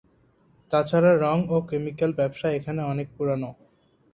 তাছাড়া রঙ ও কেমিক্যাল ব্যবসা এখানে অনেক পুরনো।